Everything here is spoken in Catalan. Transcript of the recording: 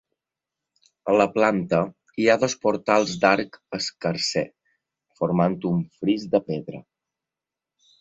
A la planta hi ha dos portals d'arc escarser formant un fris de pedra.